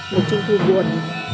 một trung thu buồn